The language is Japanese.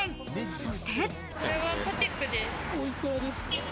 そして。